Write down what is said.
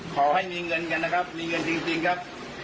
ขอให้มีเงินกันนะครับมีเงินจริงครับ